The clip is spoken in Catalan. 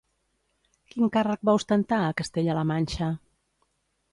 Quin càrrec va ostentar a Castella-la Manxa?